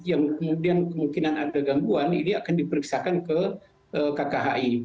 yang kemudian kemungkinan ada gangguan ini akan diperiksakan ke kkhi